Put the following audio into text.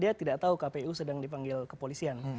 dia tidak tahu kpu sedang dipanggil kepolisian